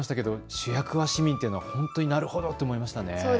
主役は市民というのはなるほどと思いました。